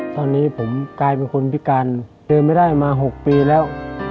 ตอนนี้ผมกลายเป็นคนพิการเดินไม่ได้มา๖ปีแล้ว